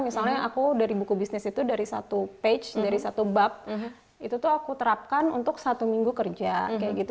misalnya aku dari buku bisnis itu dari satu page dari satu bab itu tuh aku terapkan untuk satu minggu kerja kayak gitu